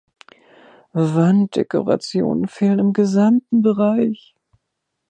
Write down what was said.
Wanddekorationen fehlen im gesamten Bereich.